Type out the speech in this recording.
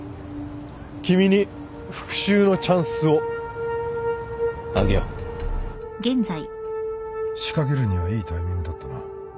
君に復讐のチャンスをあげよう仕掛けるにはいいタイミングだったな。